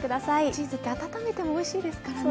チーズって温めてもおいしいですからね。